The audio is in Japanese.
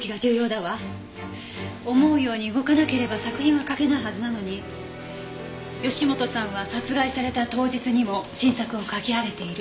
思うように動かなければ作品は書けないはずなのに義本さんは殺害された当日にも新作を書き上げている。